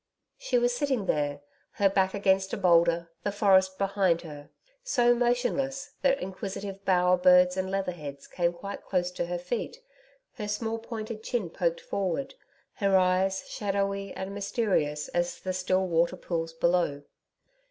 She was sitting there, her back against a boulder, the forest behind her, so motionless that inquisitive bower birds and leather heads came quite close to her feet, her small pointed chin poked forward, her eyes shadowy and mysterious as the still waterpools below.